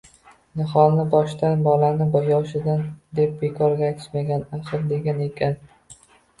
Niholni boshdan, bolani yoshdan deb bekorga aytishmagan axir, degan ekan